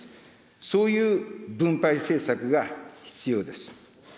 そういう分配政策が必要です。